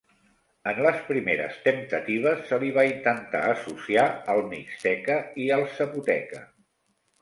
En les primeres temptatives se li va intentar associar al mixteca i al zapoteca.